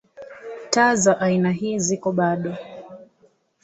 Taa za aina ii ziko bado.